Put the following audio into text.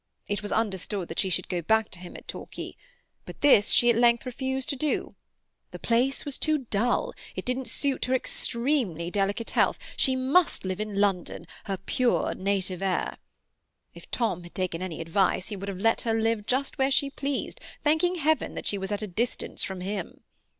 It was understood that she should go back to him at Torquay, but this she at length refused to do. The place was too dull; it didn't suit her extremely delicate health; she must live in London, her pure native air. If Tom had taken any advice, he would have let her live just where she pleased, thanking Heaven that she was at a distance from him.